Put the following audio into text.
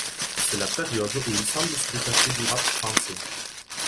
C'est la période où il semble se détacher du rap français.